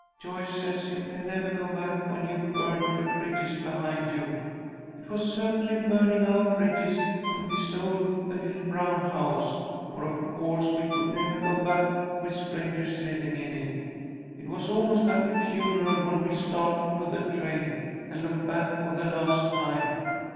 Joyce says you can never go back when you've burned your bridges behind you. It was certainly burning our bridges when we sold the little brown house, for of course we could never go back with strangers living in it. It was almost like a funeral when we started to the train, and looked back for the last time.